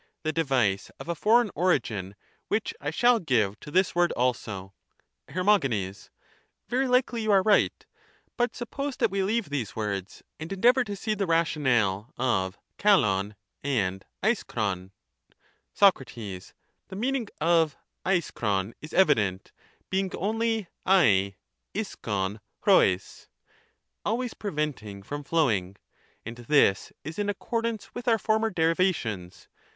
The device of a foreign origin, which I shall give to this word also. //cr. Very likely you are right ; but suppose that we leave these words, and endeavour to see the rationale of KaXbv and aiaxpov. Soc. The meaning of alaxpov is evident, being only an laxov poi]q (always preventing from flowing), and this is in accord ance with our former derivations.